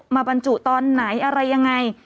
บรรจุตอนไหนอะไรยังไง